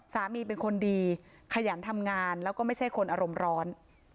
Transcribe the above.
เป็นคนดีขยันทำงานแล้วก็ไม่ใช่คนอารมณ์ร้อน